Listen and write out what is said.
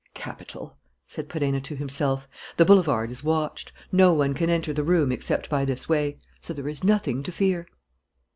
"Capital!" said Perenna to himself. "The boulevard is watched. No one can enter the room except by this way. So there is nothing to fear."